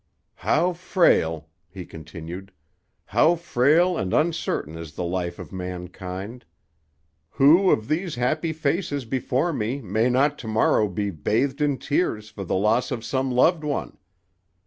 "How frail," he continued: "How frail and uncertain is the life of mankind! Who of these happy faces before me may not to morrow be bathed in tears for the loss of some loved one?